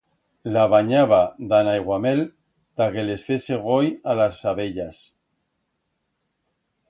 La banyaba dan aiguamel ta que les fese goi a las abellas.